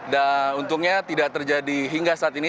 dan untungnya tidak terjadi hingga saat ini